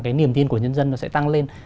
cái niềm tin của nhân dân nó sẽ tăng lên